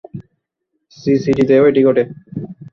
সিসিডি-তেও এটি ঘটে।